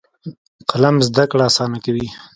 قلم زده کړه اسانه کوي.